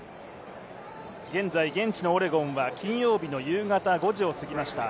現在、現地のオレゴンは金曜日の夕方５時を過ぎました。